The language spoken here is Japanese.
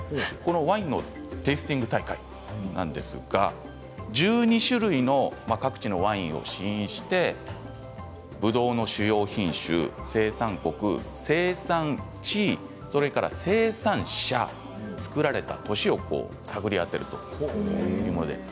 ワインのテースティング大会なんですが１２種類の各地のワインを試飲してぶどうの使用品種生産国、生産地、そして生産者造られた年を探り当てるというものです。